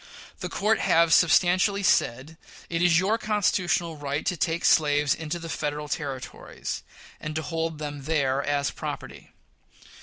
The court have substantially said it is your constitutional right to take slaves into the Federal Territories, and to hold them there as property.